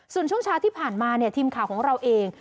ส่วนช่วงเช้าที่ผ่านมาทีมข่าวของเราเอง